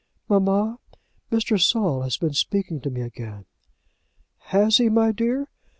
"Mamma, Mr. Saul has been speaking to me again." "Has he, my dear?